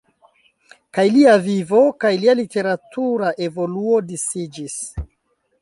Kaj lia vivo kaj lia literatura evoluo disiĝis.